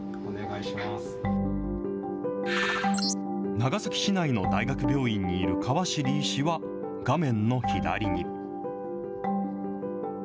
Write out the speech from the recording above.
長崎市内の大学病院にいる川尻医師は画面の左に。